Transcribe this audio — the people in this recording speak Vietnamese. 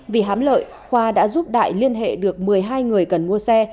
vì hám lợi khoa đã giúp đại liên hệ được một mươi hai người cần mua xe